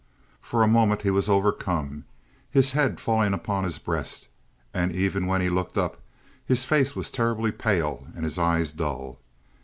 For a moment he was overcome, his head falling upon his breast, and even when he looked up his face was terribly pale, and his eyes dull.